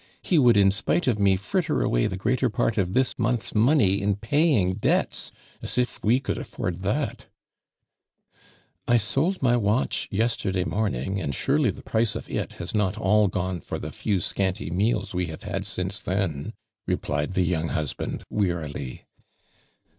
He wouhl in spite of me fritter away the greater part of this month's money in paying debt.s, as if we could aflbnl that I" " I sold my watch yesterday morning, and surely tlio price of it has not all gone for the lew scanty meals we liave hiwl since then," replied the young husband, wearily.